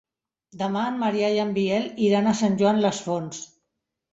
Demà en Maria i en Biel iran a Sant Joan les Fonts.